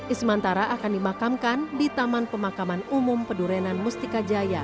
ismantara akan dimakamkan di taman pemakaman umum pedurenan mustika jaya